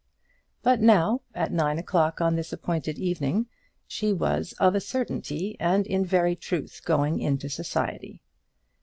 But now, at nine o'clock on this appointed evening, she was of a certainty and in very truth going into society.